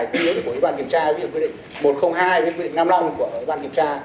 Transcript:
ví dụ như của ủy ban kiểm tra ví dụ như quy định một trăm linh hai quy định năm mươi năm của ủy ban kiểm tra